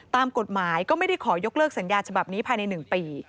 ตามกฎหมายก็ไม่ได้ขอยกเลิกสัญญาฉบับนี้ภายใน๑ปี